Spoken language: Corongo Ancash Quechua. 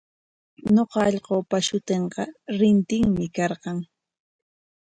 Ñuqa allqupa shutinqa Rintinmi karqan.